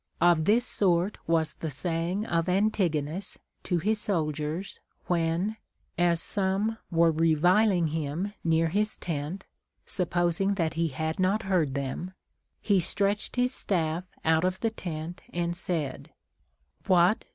Of this sort Avas the saying of Antigonus to his soldiers, when, as some were reviling him near his tent, supposing that he had not heard them, he stretched his staff out of the tent, and said : AVhat